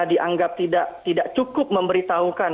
dianggap tidak cukup memberitahukan